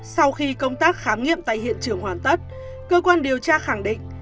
sau khi công tác khám nghiệm tại hiện trường hoàn tất cơ quan điều tra khẳng định